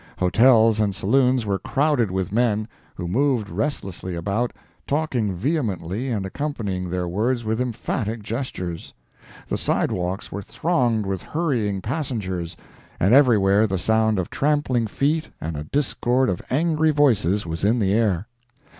Hotels and saloons were crowded with men, who moved restlessly about, talking vehemently and accompanying their words with emphatic gestures. The sidewalks were thronged with hurrying passengers, and everywhere the sound of trampling feet and a discord of angry voices was in the air.